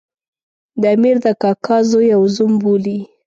د امیر د کاکا زوی او زوم بولي.